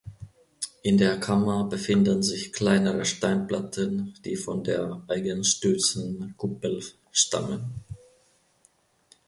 In der Kammer befinden sich kleinere Steinplatten, die von der eingestürzten Kuppel stammen.